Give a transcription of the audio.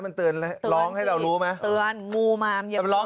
มันเตือนร้องให้เรารู้มั้ยเตือนงูมามันเตือน